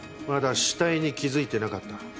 まだ死体に気付いてなかった。